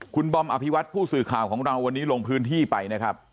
คุณบอมอภิวัตผู้สื่อข่าวของเราวันนี้ลงพื้นที่ไปนะครับ